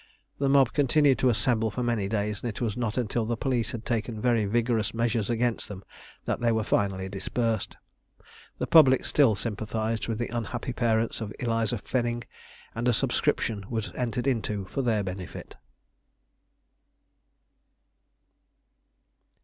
The mob continued to assemble for many days, and it was not until the police had taken very vigorous measures against them, that they were finally dispersed. The public still sympathised with the unhappy parents of Eliza Fenning, and a subscription was entered into for their benefit.